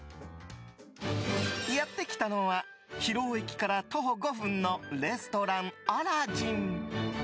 やってきたのは広尾駅から徒歩５分のレストランアラジン。